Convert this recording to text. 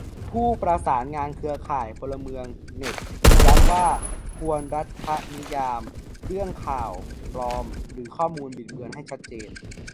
ผู้ประสานงานเครือข่ายพลเมืองเน็ตย้ำว่าควรรัฐนิยามเรื่องข่าวปลอม หรือ ข้อมูลบิดเบือนให้ชัดเจน